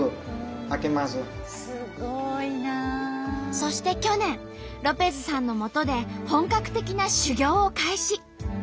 そして去年ロペズさんのもとで本格的な修業を開始。